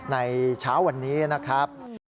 ในเช้าวันนี้นะครับ